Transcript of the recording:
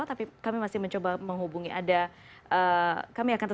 mas sason dulu nanti kami nanti juga akan menghubungi kuasa hukum setia novanto